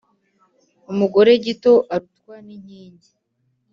Umugore gito arutwa n’inkingi.